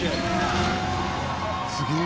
すげえ。